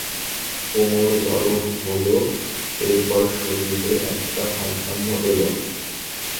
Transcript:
কোমর বড় হল, এরপর শরীরে একটা ভারসাম্য এলো।